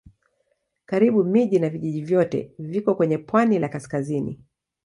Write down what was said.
Karibu miji na vijiji vyote viko kwenye pwani la kaskazini.